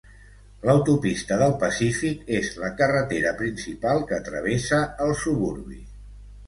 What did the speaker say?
L'autopista del pacífic és la carretera principal que travessa el suburbi.